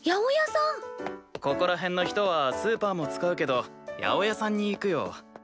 ここら辺の人はスーパーも使うけど八百屋さんに行くよ。